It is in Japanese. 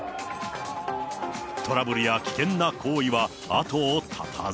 トラブルや危険な行為は後を絶たず。